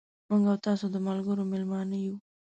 موږ او تاسو د ملګري مېلمانه یو.